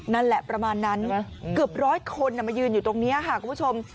นั่นแหละประมาณนั้นเกือบร้อยคนมายืนอยู่ตรงนี้ค่ะคุณผู้ชม